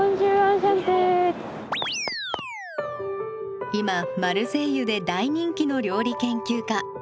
今マルセイユで大人気の料理研究家